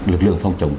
lực lượng phòng chống